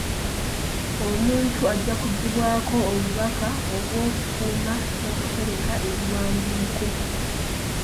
Omuntu ajja kujjibwako obubaka olw'okukuuma n'okutereka ebiwandiiko.